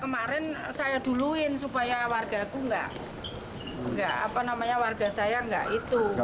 kemarin saya duluin supaya warga saya tidak itu